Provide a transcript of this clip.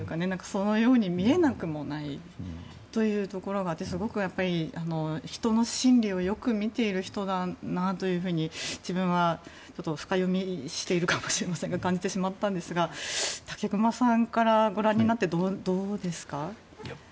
そのように見えなくもないというところがすごく人の心理をよく見ている人だなというふうに自分は深読みしているかもしれませんが感じてしまったんですが武隈さんから、ご覧になってどうですか？